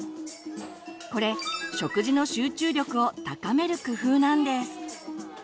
これ食事の集中力を高める工夫なんです。